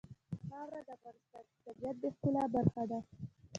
خاوره د افغانستان د طبیعت د ښکلا برخه ده.